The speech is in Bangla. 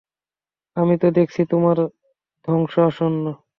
আমি তো দেখছি তোমার ধ্বংস আসন্ন।